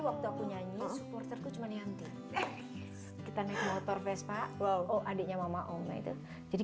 waktu aku nyanyi supporter kecuali nanti kita naik motor vespa wow adiknya mama om itu jadi